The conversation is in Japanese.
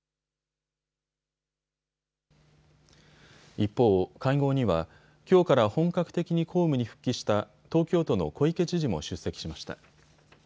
一方、会合にはきょうから本格的に公務に復帰した東京都の小池知事も出席しました。